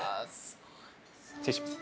失礼します。